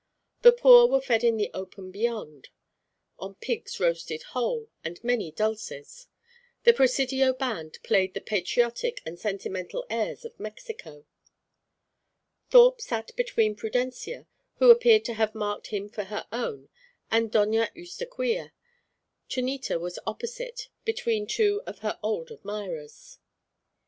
The poor were fed in the open beyond, on pigs roasted whole, and many dulces. The Presidio band played the patriotic and sentimental airs of Mexico. Thorpe sat between Prudencia (who appeared to have marked him for her own) and Doña Eustaquia. Chonita was opposite, between two of her old admirers.